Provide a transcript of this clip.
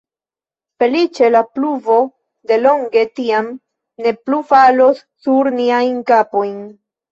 Feliĉe la pluvo de longe, tiam, ne plu falos sur niajn kapojn.